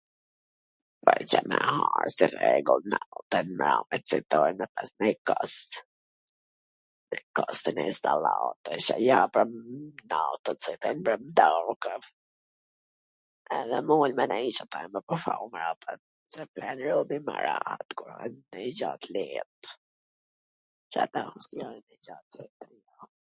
Po Ca me hangwr si rregull natwn von? ... nonj kos, nonj kos, nonji sallat, ... ndonj gja t leet ...[???]